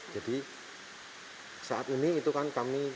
jadi saat ini itu kan kami